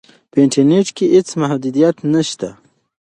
په انټرنیټ کې هیڅ محدودیت نشته.